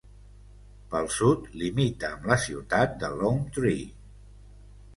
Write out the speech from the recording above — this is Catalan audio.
Pel sud limita amb la ciutat de Lone Tree.